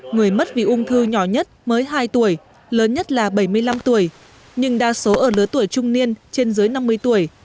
người mất vì ung thư nhỏ nhất mới hai tuổi lớn nhất là bảy mươi năm tuổi nhưng đa số ở lứa tuổi trung niên trên dưới năm mươi tuổi